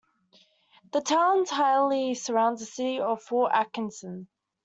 The town entirely surrounds the city of Fort Atkinson.